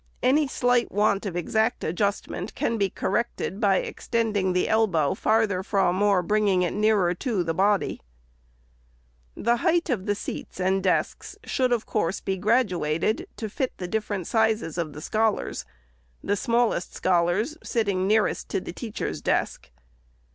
Any slight want of exact adjustment can be corrected, by extending the elbow farther from, or bringing it nearer to, the body. The height of the seats and desks should of course be graduated, to fit the different sizes of the scholars ; the smallest scholars sitting nearest the teacher's desk.